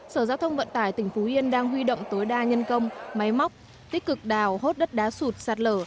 sở giao thông vận tải tỉnh phú yên đang huy động tối đa nhân công máy móc tích cực đào hốt đất đá sụt sạt lở